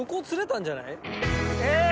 え！